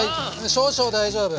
少々大丈夫。